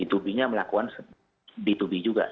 b dua b nya melakukan b dua b juga